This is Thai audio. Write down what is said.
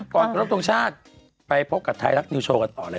ก็ตกใจว่าพี่สาเหมือนไร